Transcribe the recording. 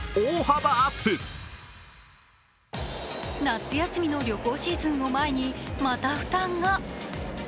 夏休みの旅行シーズンを前にまた負担が。